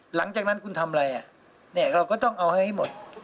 หลังจากนั้นคุณทำอะไรเราก็ต้องเอาให้หมด